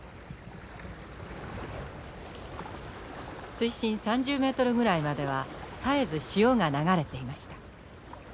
水深３０ｍぐらいまでは絶えず潮が流れていました。